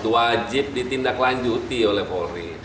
wajib ditindaklanjuti oleh polri